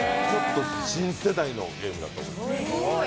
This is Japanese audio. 新世代のゲームだと思います。